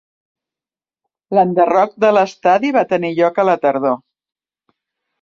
L'enderroc de l'estadi va tenir lloc a la tardor.